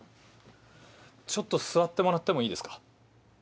ちょっと座ってもらってもいいですか？